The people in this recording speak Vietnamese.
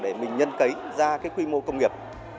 để mình nhân cấy ra cái quy mô công nghiệp